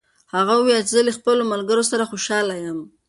هغه وویل چې زه له خپلو ملګرو سره خوشحاله یم.